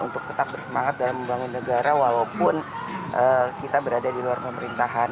untuk tetap bersemangat dalam membangun negara walaupun kita berada di luar pemerintahan